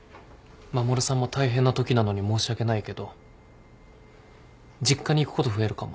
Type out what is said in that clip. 衛さんも大変なときなのに申し訳ないけど実家に行くこと増えるかも。